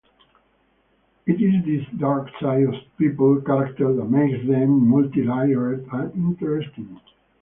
It is this dark side of people's characters that makes them multi-layered and interesting.